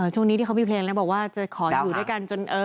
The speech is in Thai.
ช่วงนี้ที่เขามีเพลงแล้วบอกว่าจะขออยู่ด้วยกันจน